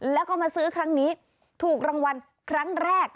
แล้วก็มาซื้อครั้งนี้ถูกรางวัลครั้งแรก